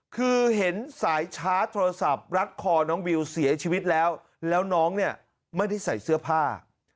คือเห็นสายชาร์จโทรศัพท์รัดคอน้องวิวเสียชีวิตแล้วแล้วน้องเนี่ยไม่ได้ใส่เสื้อผ้า